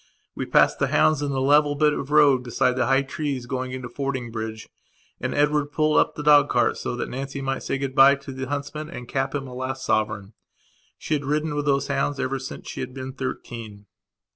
We passed the hounds in the level bit of road beside the high trees going into Fordingbridge and Edward pulled up the dog cart so that Nancy might say good bye to the huntsman and cap him a last sovereign. She had ridden with those hounds ever since she had been thirteen.